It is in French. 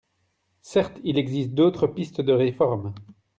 Certes, il existe d’autres pistes de réforme.